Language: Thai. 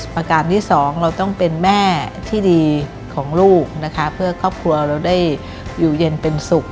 ประการที่สองเราต้องเป็นแม่ที่ดีของลูกนะคะเพื่อครอบครัวเราได้อยู่เย็นเป็นสุข